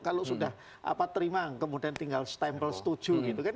kalau sudah terima kemudian tinggal stempel setuju gitu kan